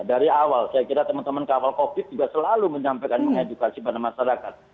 dari awal saya kira teman teman kawal covid juga selalu menyampaikan mengedukasi pada masyarakat